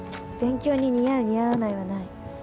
勉強に似合う似合わないはない